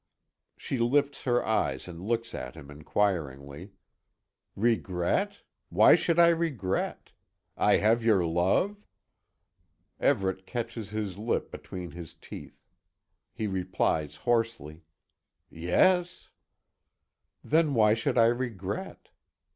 She lifts her eyes and looks at him inquiringly: "Regret? Why should I regret? I have your love?" Everet catches his lip between his teeth. He replies hoarsely: "Yes." "Then why should I regret?"